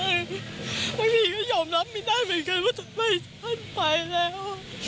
บางทีก็ยอมรับไม่ได้เหมือนกันว่าทำไมท่านไปแล้ว